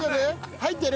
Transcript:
入ってる？